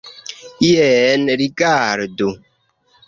Jen rigardu.